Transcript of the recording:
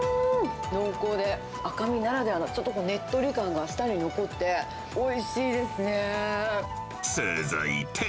濃厚で赤身ならではのちょっとねっとり感が舌に残って、おいしい続いて。